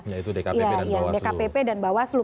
yaitu dkpp dan bawaslu